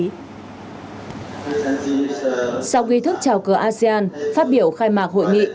sau nghi thức trào cờ asean phát biểu khai mạc hội nghị